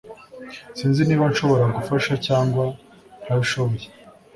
Sinzi niba nshobora gufasha cyangwa ntabishoboye